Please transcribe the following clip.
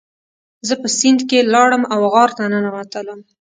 زه په سیند کې لاړم او غار ته ننوتلم.